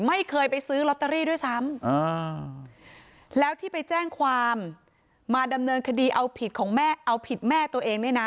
ไม่เคยไปซื้อลอตเตอรี่ด้วยซ้ำแล้วที่ไปแจ้งความมาดำเนินคดีเอาผิดของแม่เอาผิดแม่ตัวเองเนี่ยนะ